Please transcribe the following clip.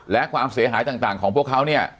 และความเสียหายต่างของพวกเขาเนี่ย